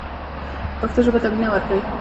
پښتو ژبې ته مینه ورکړئ.